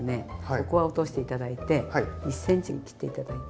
ここは落として頂いて１ｃｍに切って頂いて。